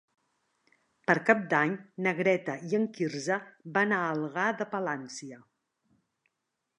Per Cap d'Any na Greta i en Quirze van a Algar de Palància.